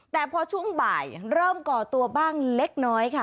แต่พอช่วงบ่ายเริ่มก่อตัวบ้างเล็กน้อยค่ะ